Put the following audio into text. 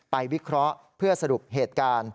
วิเคราะห์เพื่อสรุปเหตุการณ์